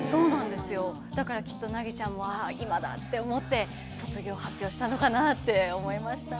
だからきっと凪ちゃんも今だって思って、卒業を発表したのかなって思いましたね。